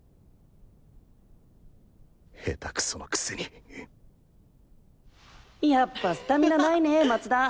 下手クソのくせにやっぱスタミナないね松田。